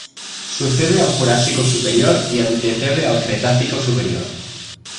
Sucede al Jurásico superior y antecede al Cretácico superior.